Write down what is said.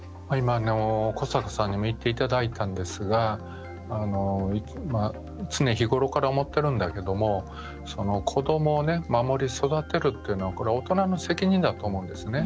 古坂さんにも言っていただいたんですが常日頃から思っていますが子どもを守り育てるっていうのは大人の責任だと思うんですね。